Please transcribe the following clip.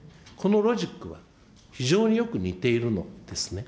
ロジックは非常によく似ているのですね。